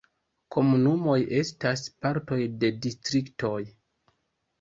Komunumoj estas partoj de distriktoj.